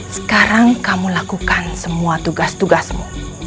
sekarang kamu lakukan semua tugas tugasmu